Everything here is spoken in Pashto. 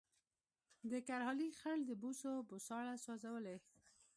د کرهالې خړ د بوسو بوساړه سوځولې